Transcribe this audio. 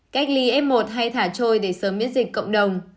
cách ly f một hay thả trôi để sớm miễn dịch cộng đồng